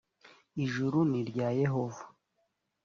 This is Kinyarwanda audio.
ijuru ni irya yehova .